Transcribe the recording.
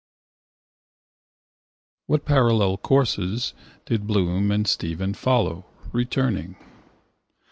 17 ] What parallel courses did Bloom and Stephen follow returning?